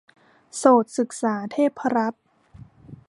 โสตศึกษาเทพรัตน์